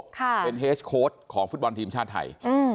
ค่ะเป็นเฮสโค้ดของฟุตบอลทีมชาติไทย